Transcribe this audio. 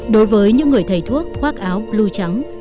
đối với những người thầy thuốc khoác áo blue trắng